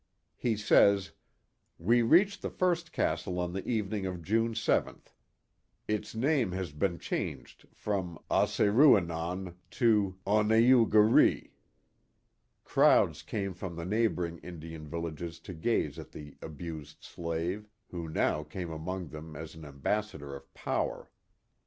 He says: We reached the first castle on the evening of June 7th. Its name had been changed from Os se ru e non to On Journal of Arent Van Curler 47 e ou gou re." Crowds came from the neighboring Indian vil lages to gaze on the abused slave, who now came among them as an ambassador of power.